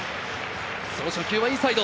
初球はインサイド。